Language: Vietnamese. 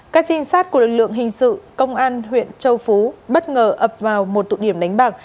các trinh sát của lực lượng hình sự công an huyện châu phú bất ngờ ập vào một tụ điểm đánh bạc